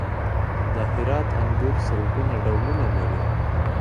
د هرات انګور سلګونه ډولونه لري.